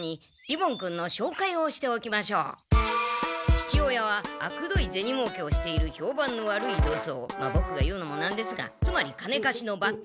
父親はあくどいゼニもうけをしている評判の悪い土倉まあボクが言うのもなんですがつまり金貸しの抜天坊。